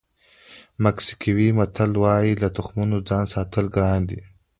مکسیکوي متل وایي له تخمونو ځان ساتل ګران دي.